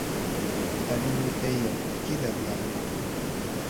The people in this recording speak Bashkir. Хәлимәкәйем, кил әле яныма!